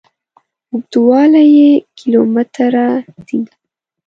اوږدوالي یې کیلو متره دي.